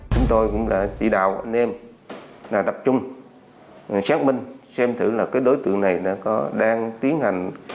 chúng tôi cũng đã chỉ đạo anh em tập trung xác minh xem thử là cái đối tượng này đang tiến hành